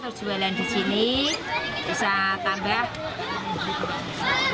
habis kelilingan terjualan di sini